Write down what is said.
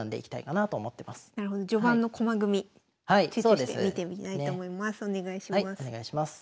集中して見てみたいと思います。